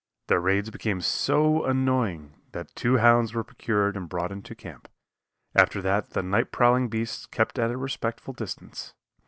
Their raids became so annoying that two hounds were procured and brought into camp; after that the nightprowling beasts kept at a respectful distance.